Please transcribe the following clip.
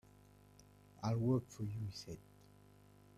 "I'll work for you," he said.